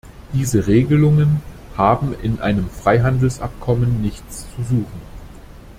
Diese Regelungen haben in einem Freihandelsabkommen nichts zu suchen.